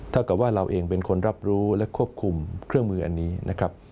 เท่ากับว่าเราเองเป็นคนรับรู้และควบคุมเครื่องมืออันนี้นะครับ